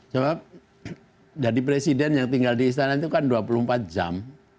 coba jadi presiden yang tinggal di istana itu kan dua puluh empat jam